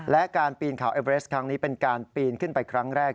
และการปีนเขาเอเบรสครั้งนี้เป็นการปีนขึ้นไปครั้งแรก